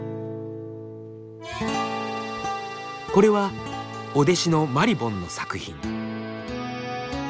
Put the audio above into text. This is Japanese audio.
これはお弟子のまりぼんの作品。